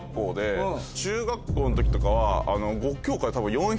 中学校の時とかは。